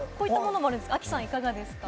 亜希さん、いかがですか？